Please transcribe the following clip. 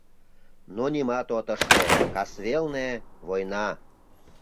Но нимат от ыште: касвелне — война.